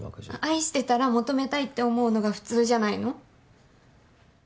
愛してたら求めたいって思うのが普通じゃないの？